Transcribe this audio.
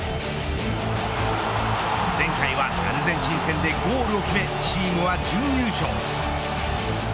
前回はアルゼンチン戦でゴールを決めチームは準優勝。